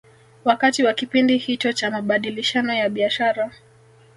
Wakati wa kipindi hicho cha mabadilishano ya biashara